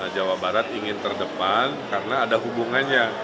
jawa barat ingin terdepan karena ada hubungannya